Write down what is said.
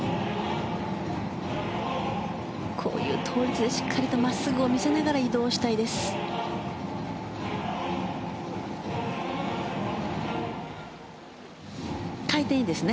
こういう倒立でしっかり真っすぐを見せながら移動したいです。